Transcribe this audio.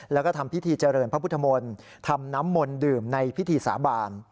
แล้วก็ทำพิธีเจริญพระพุทธมนตร์ทำน้ำมนต์ดื่มในพิธีสาบาน